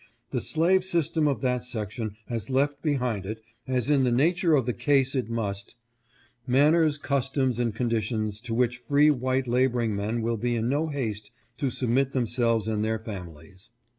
The slave system 526 THE SOUTH NEEDS THE NEGRO. of that section has left behind it, as in the nature of the case it must, manners, customs, and conditions to which free white laboring men will be in no haste to submit themselves and their families.